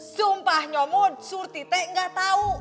sumpah nyamud surti teh gak tau